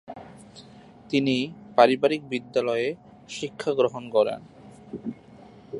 তিনি পারিবারিক বিদ্যালয়ে শিক্ষা গ্রহণ করেন।